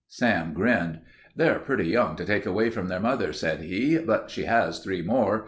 Sam grinned. "They're pretty young to take away from their mother," said he, "but she has three more.